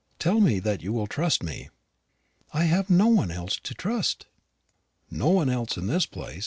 Tell me that you will trust me." "I have no one else to trust." "No one else in this place.